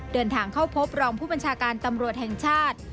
เดินทางเข้าพบรองผู้บัญชาการตำรวจแห่งชาติ